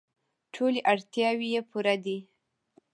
ټولې اړتیاوې یې پوره دي.